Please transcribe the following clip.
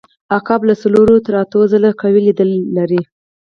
عقاب له څلور تر اتو ځله قوي لید لري.